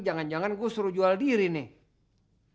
jangan jangan gue suruh jual diri nih